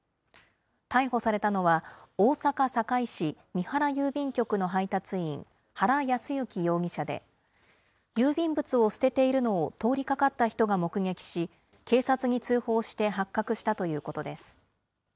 逮捕されたのは、大阪・堺市、美原郵便局員の配達員、原康之容疑者で、郵便物を捨てていたのを通りかかった人が目撃し、警察に通報して発覚したということです。